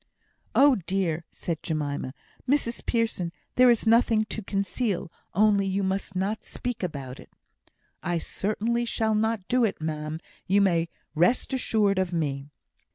"Oh dear!" said Jemima, "Mrs Pearson, there is nothing to conceal; only you must not speak about it." "I certainly shall not do it, ma'am; you may rest assured of me."